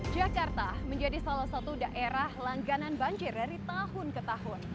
jakarta menjadi salah satu daerah langganan banjir dari tahun ke tahun